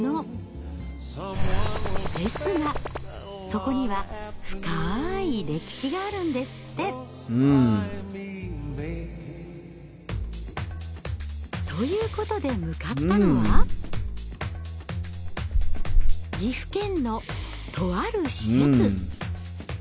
ですがそこには深い歴史があるんですって。ということで向かったのは岐阜県のとある施設。